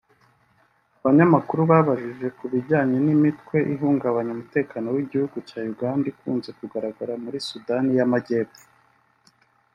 Abanyamakuru babajije ku bijyanye n’imitwe ihungabanya umutekano w’igihugu cya Uganda ikunze kugaraga muri Sudani y’Amajyepfo